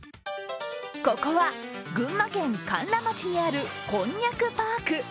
ここは群馬県甘楽町にあるこんにゃくパーク。